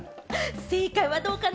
正解はどうかな？